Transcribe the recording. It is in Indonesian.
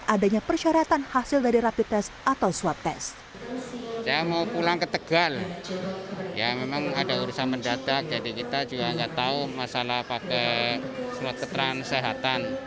adanya persyaratan hasil dari rapid test atau swab tes